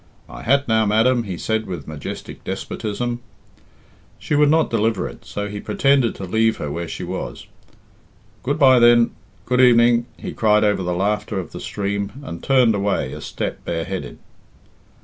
"My hat now, madam," he said with majestic despotism. 10 She would not deliver it, so he pretended to leave her where she was. "Good bye, then; good evening," he cried over the laughter of the stream, and turned away a step bareheaded.